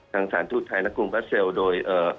ทางสารทูตไทยและกรุงประเศลโดย